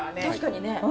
確かにね。